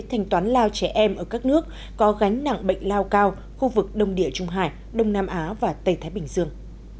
thanh toán lao trẻ em ở các nước có gánh nặng bệnh lao cao khu vực đông địa trung hải đông nam á và tây thái bình dương